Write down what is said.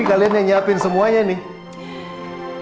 kalian yang nyiapin semuanya nih